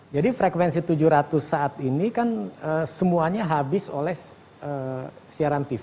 jadi frekuensi tujuh ratus saat ini kan semuanya habis oleh siaran tv